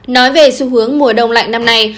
nói về xu hướng mùa đông lạnh năm nay